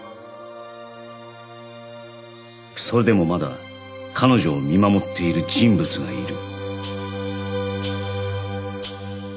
それでもまだ彼女を見守っている人物がいる